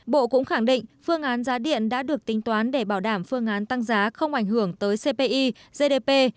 bộ cũng khẳng định phương án giá điện đã được tính toán để bảo đảm phương án tăng giá không ảnh hưởng tới cpi gdp